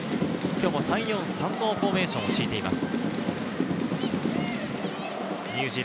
今日も３−４−３のフォーメーションをしいています。